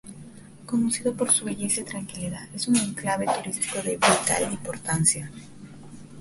Conocido por su belleza y tranquilidad, es un enclave turístico de vital importancia.